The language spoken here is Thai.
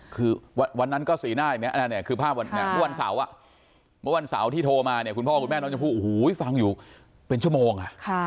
คือวันนั้นก็สีหน้าอย่างนี้มันวันเสาร์เท่าวันที่โทรมาคุณพ่อคุณแม่น้องชมพูฟังอยู่เป็นชั่วโมง